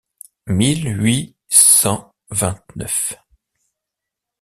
mille huit cent vingt-neuf.